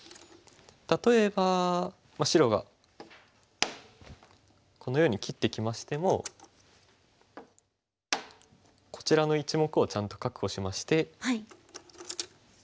例えば白がこのように切ってきましてもこちらの一目をちゃんと確保しまして。